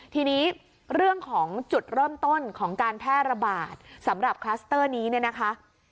ทีนี้เรื่องของจุดเริ่มต้นของการแพร่ระบาดสำหรับคลัสเตอร์นี้เนี่ยนะคะ